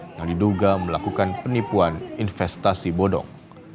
yang diduga melakukan penipuan investasi bodong